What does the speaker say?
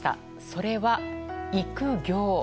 それは、育業。